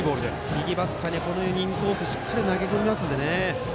右バッターにはインコースしっかり投げ込みますのでね。